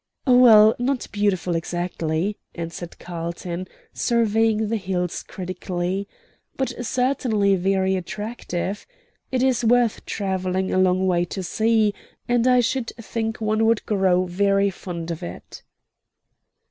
"Well, not beautiful exactly," answered Carlton, surveying the hills critically, "but certainly very attractive. It is worth travelling a long way to see, and I should think one would grow very fond of it."